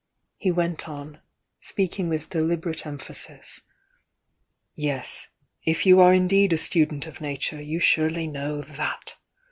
He went on, speaking with deliber ate emphasis: "Yes, — if you are indeed a student of Nature, you surely know that!